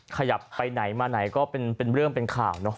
ขยับไปไหนมาไหนก็เป็นเรื่องเป็นข่าวเนอะ